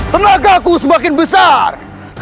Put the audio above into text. tenagaku semakin besar